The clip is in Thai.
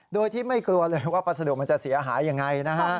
โดยที่ไม่กลัวเลยว่าพัสดุมันจะเสียหายยังไงนะฮะ